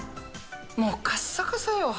もうカッサカサよ、肌。